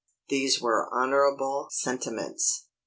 These were honorable sentiments.